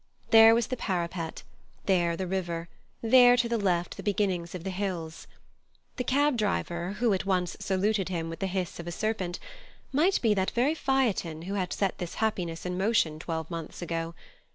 There was the parapet, there the river, there to the left the beginnings of the hills. The cab driver, who at once saluted him with the hiss of a serpent, might be that very Phaethon who had set this happiness in motion twelve months ago.